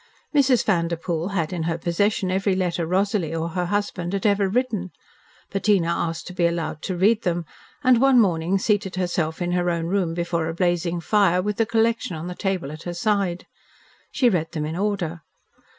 Mrs. Vanderpoel had in her possession every letter Rosalie or her husband had ever written. Bettina asked to be allowed to read them, and one morning seated herself in her own room before a blazing fire, with the collection on a table at her side. She read them in order.